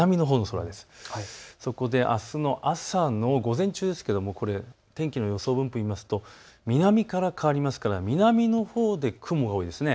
あすの朝の午前中ですけれども天気の予想分布を見ますと南から変わりますから南のほうで雲が多いです。